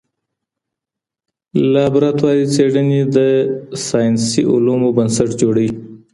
لابراتواري څېړني د ساینسي علومو بنسټ جوړوي.